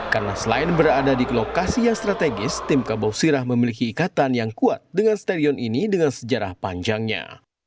karena selain berada di lokasi yang strategis tim kabupat sirah memiliki ikatan yang kuat dengan stadion ini dengan sejarah panjangnya